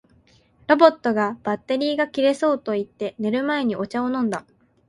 ロボットが「バッテリーが切れそう」と言って、寝る前にお茶を飲んだ